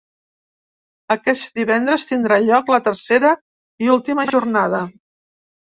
Aquest divendres tindrà lloc la tercera i última jornada.